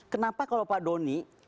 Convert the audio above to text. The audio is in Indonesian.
kenapa kalau pak doni